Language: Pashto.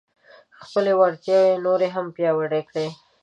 خپلې وړتیاوې نورې هم پیاوړې کړئ.